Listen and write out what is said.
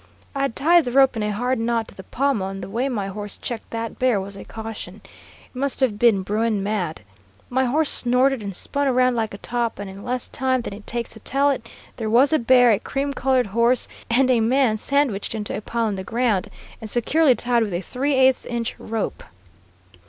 I had tied the rope in a hard knot to the pommel, and the way my horse checked that bear was a caution. It must have made bruin mad. My horse snorted and spun round like a top, and in less time than it takes to tell it, there was a bear, a cream colored horse, and a man sandwiched into a pile on the ground, and securely tied with a three eighths inch rope.